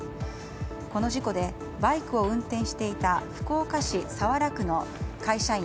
この事故でバイクを運転していた福岡市早良区の会社員